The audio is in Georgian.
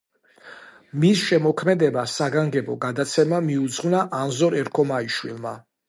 მის შემოქმედებას საგანგებო გადაცემა მიუძღვნა ანზორ ერქომაიშვილმა.